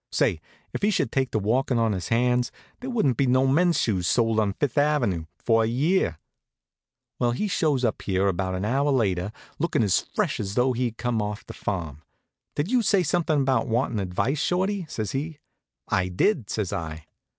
Say, if he should take to walkin' on his hands, there wouldn't be no men's shoes sold on Fifth ave. for a year. Well, he shows up here about an hour later, lookin' as fresh as though he'd just come off the farm. "Did you say something about wanting advice, Shorty?" says he. "I did," says I.